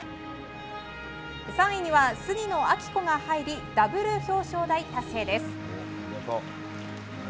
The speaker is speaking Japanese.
３位には杉野明子が入りダブル表彰台達成です。